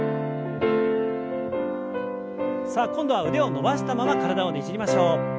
さあ今度は腕を伸ばしたまま体をねじりましょう。